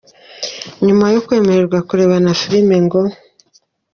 Nyuma yo kwemererwa kurebana filime ngo